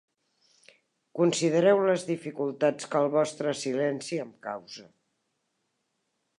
Considereu les dificultats que el vostre silenci em causa.